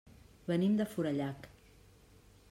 Venim de Forallac.